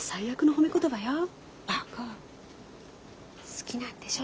好きなんでしょ？